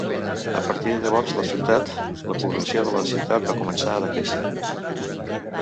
A partir de llavors la ciutat, la població de la ciutat va començar a decréixer.